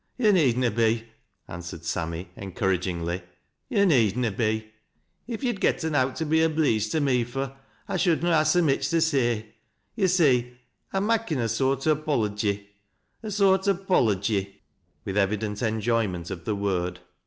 " Yo' need na be," answered Sammy, encouragingly. " To' need na be. If yo'd getten owt to be obleeged to me fur, I should na ha so mich to say. To' see I'm makin' a soart o' poUygy, — a soart o' pollygy," with evi dent enjoyment of the word.